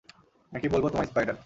নাকি বলবো তোমায় স্পাইডার?